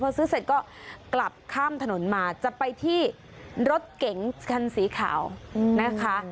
พอซื้อเสร็จก็กลับข้ามถนนมาจะไปที่รถเก๋งคันสีขาวนะคะ